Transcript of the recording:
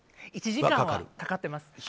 １時間はかかってます。